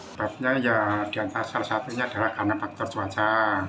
sebabnya ya diantara salah satunya adalah karena faktor cuaca